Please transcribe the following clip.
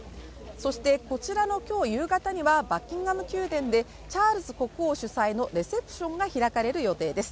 そしてこちらの今日夕方にはバッキンガム宮殿でチャールズ国王主催のレセプションが開かれる予定です。